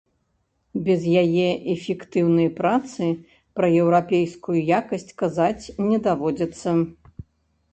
Без яе эфектыўнай працы пра еўрапейскую якасць казаць не даводзіцца.